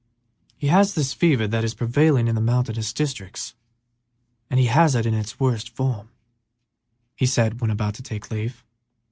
"He has this fever that is prevailing in the mountainous districts, and has it in its worst form," he said, when about to take leave.